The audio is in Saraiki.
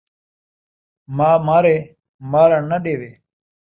ماء مارے ، مارݨ ناں ݙیوے